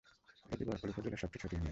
এটি বরকল উপজেলার সবচেয়ে ছোট ইউনিয়ন।